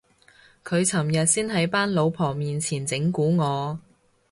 佢尋日先喺班老婆面前整蠱我